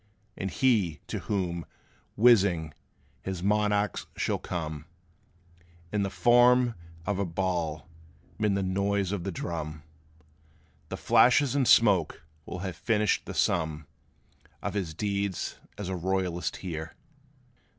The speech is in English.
And he, to whom, whizzing, his monarch shall come, In the form of a ball, 'mid the noise of the drum, The flashes and smoke, will have finished the sum Of his deeds as a royalist here!"